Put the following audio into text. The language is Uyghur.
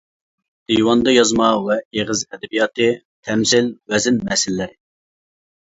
دىۋاندا يازما ۋە ئېغىز ئەدەبىياتى، تەمسىل، ۋەزىن مەسىلىلىرى.